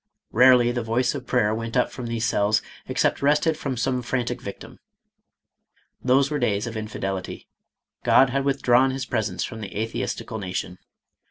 Rarely the voice of prayer went up from these cells except wrested from some frantic victim. Those were days of infidelity ; God had withdrawn his presence from the atheistical na tion.